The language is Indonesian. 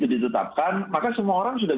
ditetapkan maka semua orang sudah